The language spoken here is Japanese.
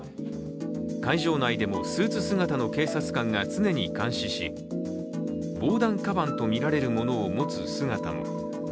会場内でもスーツ姿の警察官が常に監視し防弾かばんとみられるものを持つ姿も。